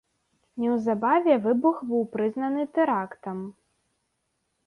Неўзабаве выбух быў прызнаны тэрактам.